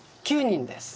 ９人です。